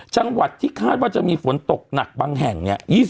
จังหวัดที่คาดว่าจะมีฝนตกหนักบางแห่งเนี่ย